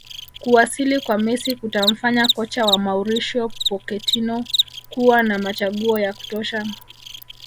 Kuwasili kwa Messi kutamfanya kocha wa Mauricio Pochettino kuwa na machaguo ya kutosha